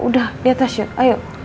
udah di atas yuk ayo